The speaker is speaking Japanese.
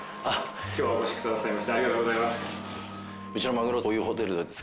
今日はお越しくださいましてありがとうございます。